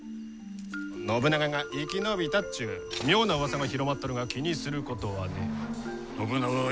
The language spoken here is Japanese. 信長が生き延びたっちゅう妙なうわさが広まっとるが気にすることはねえ。